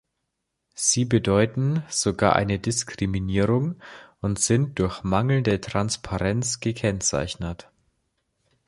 Sie bedeuten sogar eine Diskriminierung und sind durch mangelnde Transparenz gekennzeichnet.